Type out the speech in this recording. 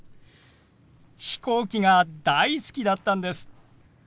飛行機が大好きだったんです。